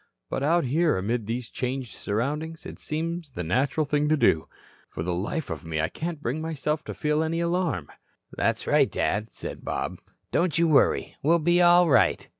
But out here, amid these changed surroundings, it seems the natural thing to do. For the life of me I can't bring myself to feel any alarm." "That's right, Dad," said Bob. "Don't you worry. We'll be all right."